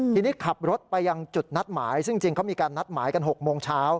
ทีนี้ขับรถไปยังจุดนัดหมายซึ่งจริงเขามีการนัดหมายกัน๖โมงเช้า